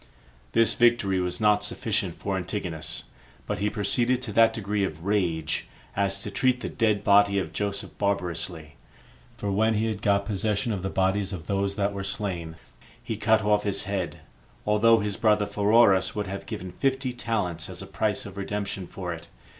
This victory was not sufficient for Antigonus; but he proceeded to that degree of rage, as to treat the dead body of Joseph barbarously; for when he had got possession of the bodies of those that were slain, he cut off his head, although his brother Pheroras would have given fifty talents as a price of redemption for it.